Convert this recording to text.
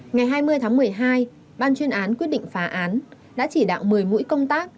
ngày hai mươi tháng một mươi hai ban chuyên án quyết định phá án đã chỉ đạo một mươi mũi công tác